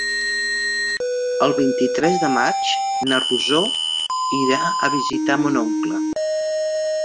El vint-i-tres de maig na Rosó irà a visitar mon oncle.